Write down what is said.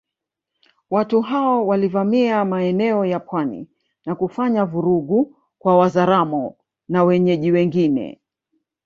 Watu hao walivamia maeneo ya pwani na kufanya vurugu kwa Wazaramo na wenyeji wengine